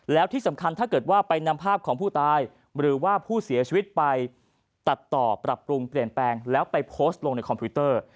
แล้วที่สำคัญถ้าเกิดว่าไปนำภาพของผู้ตายหรือว่าผู้เสียชีวิตไปตัดต่อปรับปรุงเปลี่ยนแปลงแล้วไปโพสต์ลงในคอมพิวเตอร์